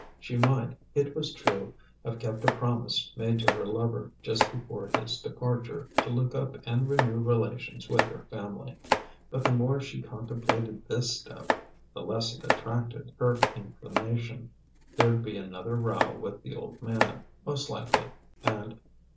She might, it was true, have kept a promise made to her lover just before his departure, to look up and renew relations with her family. But the more she contemplated this step, the less it attracted her inclination. There'd be another row with the Old Man, most likely and